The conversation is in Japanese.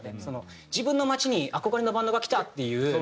自分の街に憧れのバンドが来たっていう。